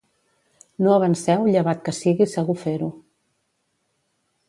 No avanceu llevat que sigui segur fer-ho.